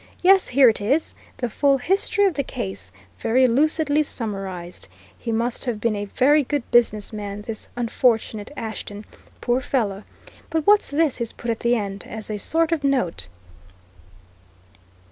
Yes, here it is the full history of the case, very lucidly summarized; he must have been a very good business man, this unfortunate Ashton, poor fellow! But what's this he's put at the end, as a sort of note?"